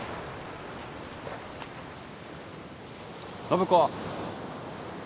暢子。